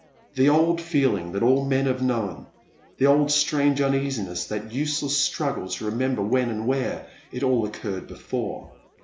the old feeling that all men have known — ^the old strange uneasiness, that useless struggle to remember when and where it all oc curred before.